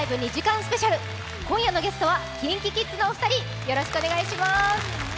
スペシャル今夜のゲストはＫｉｎＫｉＫｉｄｓのお二人、よろしくお願いします。